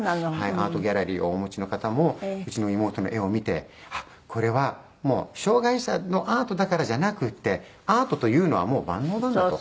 アートギャラリーをお持ちの方もうちの妹の絵を見てあっこれはもう障がい者のアートだからじゃなくてアートというのはもう万能なんだと。